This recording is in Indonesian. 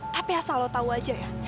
tapi asal lo tau aja ya